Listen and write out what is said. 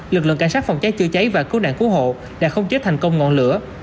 lực lượng cảnh sát phòng cháy chữa cháy và cứu nạn cứu hộ đã khống chế thành công ngọn lửa